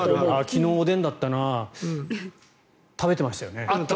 昨日おでんだったな食べましたよね。